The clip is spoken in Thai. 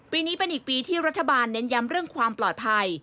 ปีนี้เป็นอีกปีที่รัฐบาลเน้นย้ำเรื่องความปลอดภัย